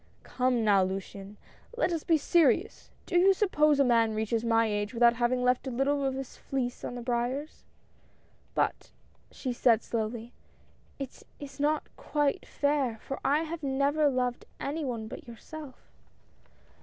"Come now, Luciane, let us be serious. Do you suppose a man reaches my age without having left a little of his fleece on the briars ?" i "But," she said, slowly, "it is not quite fair, for I have never loved any one but yourself."